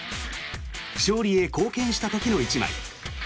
勝利へ貢献した時の１枚。